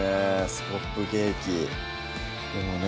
「スコップケーキ」でもね